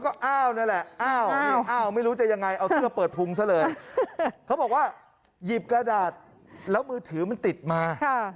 เขาบอกว่าหยิบกระดาษแล้วมือถือมันติดมา